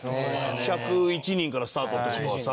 １０１人からスタートって事はさ。